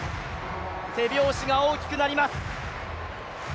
手拍子が大きくなります。